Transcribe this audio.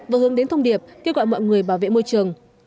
và hướng đến thông điệp kêu gọi mọi người bảo vệ môi trường